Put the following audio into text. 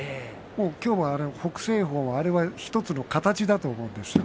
今日は北青鵬はあれは１つの形だと思うんですよ。